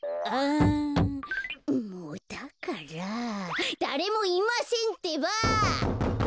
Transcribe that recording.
んもだからだれもいませんってば！